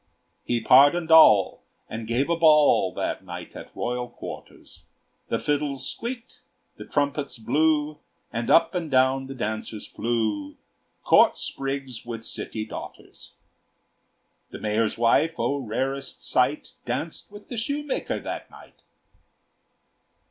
He pardoned all, and gave a ball That night at royal quarters. The fiddles squeaked, the trumpets blew, And up and down the dancers flew, Court sprigs with city daughters. The mayor's wife O rarest sight! Danced with the shoemaker that night!